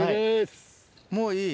もういい？